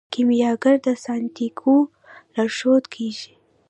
کیمیاګر د سانتیاګو لارښود کیږي.